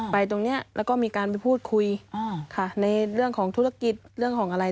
ตรงนี้แล้วก็มีการไปพูดคุยค่ะในเรื่องของธุรกิจเรื่องของอะไร